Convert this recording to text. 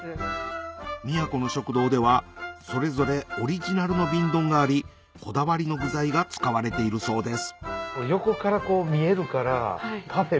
宮古の食堂ではそれぞれオリジナルの瓶ドンがありこだわりの具材が使われているそうです